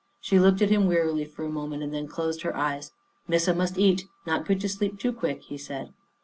She looked at him wearily for a moment and then closed her eyes. " Missa must eat. Not good to sleep too quick," he said.